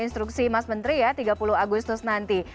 instruksi mas menteri ya tiga puluh agustus nanti